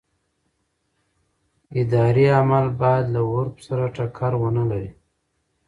اداري عمل باید له عرف سره ټکر ونه لري.